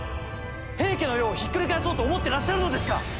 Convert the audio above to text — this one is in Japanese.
平家の世をひっくり返そうと思ってらっしゃるのですか！